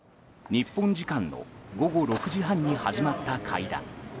日本時間の午後６時半に始まった会談。